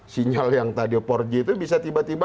sinyal yang tadi empat g itu bisa tiba tiba